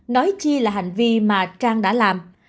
nói chi là hành vi mà trang đã làm